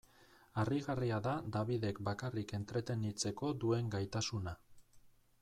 Harrigarria da Dabidek bakarrik entretenitzeko duen gaitasuna.